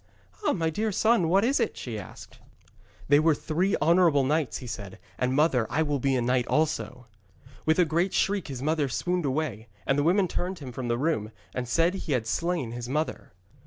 'Ah, my dear son, what was that?' she asked. 'They were three honourable knights,' he said. 'And, mother, I will be a knight also.' With a great shriek his mother swooned away, and the women turned him from the room and said he had slain his mother.